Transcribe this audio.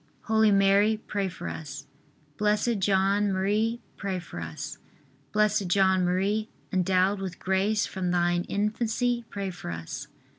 Holy Mary, pray for us. Blessed John Marie, pray for us. B. J. M., endowed with grace from thine infancy, pray for us.